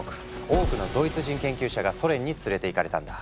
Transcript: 多くのドイツ人研究者がソ連に連れていかれたんだ。